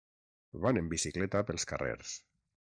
Van en bicicleta pels carrers.